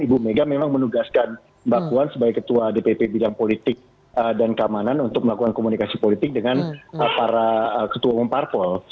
ibu mega memang menugaskan mbak puan sebagai ketua dpp bidang politik dan keamanan untuk melakukan komunikasi politik dengan para ketua umum parpol